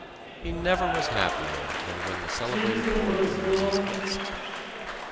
He never was happier than when the celebra ted orator was his guest.